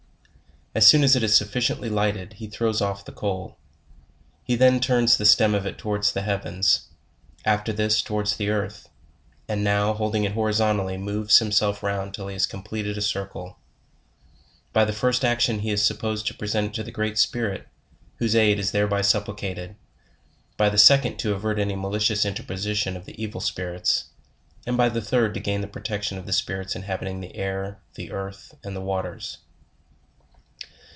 As soon as it is sufficiently lighted, he throws off the coal. He then turns the stem of it towards the heavens, after this towards the earth, and now holding it horizontally, moves himself round till he has completed a circle; by the first ac tion he is supposed to present it to the Great Spirit, whose aid is thereby supplicated; by the second to avert any mali cious interposition of the evil spirits: and by the third to gain the protection of the spirits inhabiting the air, the earth, and the waters.